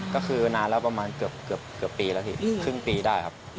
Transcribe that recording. ก็คือนานแล้วประมาณเกือบปีแล้วพี่ครึ่งปีได้ครับ